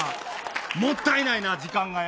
もったいないな、時間がよ。